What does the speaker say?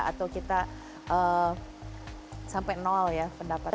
atau kita sampai nol ya pendapat